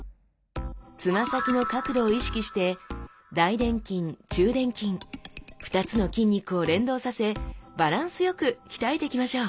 つま先の角度を意識して大臀筋中臀筋２つの筋肉を連動させバランスよく鍛えていきましょう！